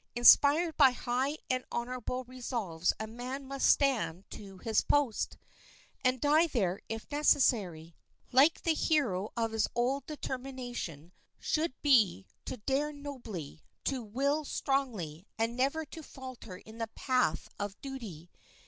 Inspired by high and honorable resolves a man must stand to his post, and die there if necessary. Like the hero of old his determination should be "to dare nobly, to will strongly, and never to falter in the path of duty."